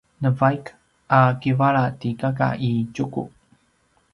navaik a kivala ti kaka i Tjuku